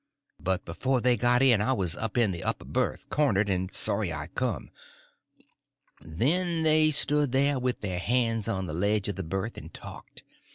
But before they got in I was up in the upper berth, cornered, and sorry I come. Then they stood there, with their hands on the ledge of the berth, and talked.